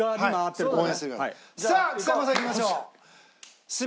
さあちさ子さんいきましょう。